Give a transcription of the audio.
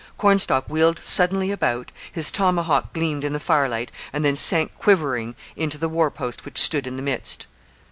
Cornstalk wheeled suddenly about; his tomahawk gleamed in the firelight and then sank quivering into the war post which stood in the midst.